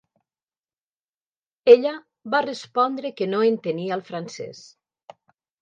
Ella va respondre que no entenia el francès.